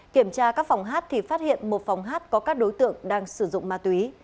kiểm tra các phòng hát thì phát hiện một phòng hát có các đối tượng đang sử dụng ma túy